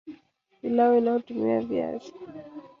Pilau inayotumia viazi